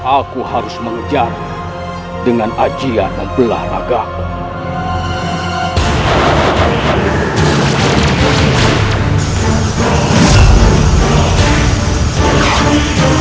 aku harus mengejar dengan ajian dan belah ragaku